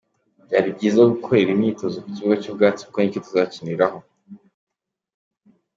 Byari byiza gukorera imyitozo ku kibuga cy’ubwatsi kuko nicyo tuzakiniraho.